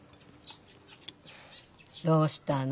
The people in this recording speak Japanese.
どうしたの？